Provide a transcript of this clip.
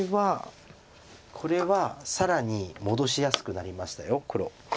これは更に戻しやすくなりました黒。